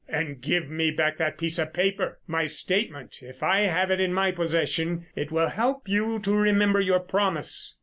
"And give me back that piece of paper—my statement. If I have it in my possession it will help you to remember your promise."